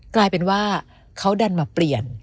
กลายเป็นว่าเขาดันมาเปลี่ยน